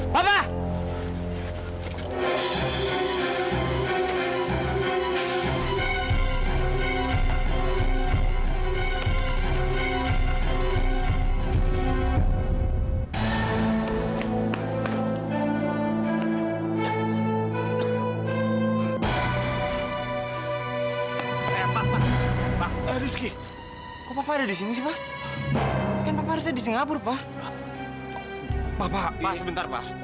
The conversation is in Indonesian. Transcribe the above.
papa sebentar pa